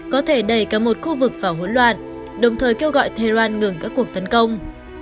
có thể đẩy cả một khu vực vào hỗn loạn đồng thời kêu gọi tehran ngừng các cuộc tấn công